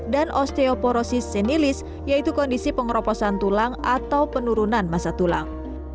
dan osteoporosis senilis yaitu kondisi pengeroposan tulang atau penurunan masa tulang